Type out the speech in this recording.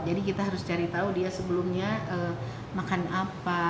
jadi kita harus cari tahu dia sebelumnya makan apa